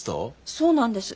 そうなんです。